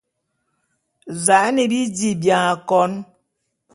Za'an bi dí bian akôn.